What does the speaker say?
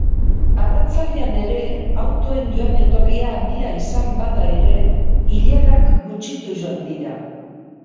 Arratsaldean ere autoen joan-etorria handia izan bada ere, ilarak gutxituz joan dira.